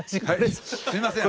すいません！